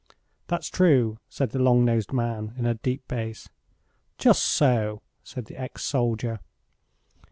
"That's true," said the long nosed man, in a deep bass. "Just so," said the ex soldier.